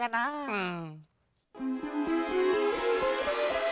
うん。